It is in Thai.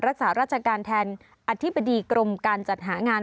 รักษาราชการแทนอธิบดีกรมการจัดหางาน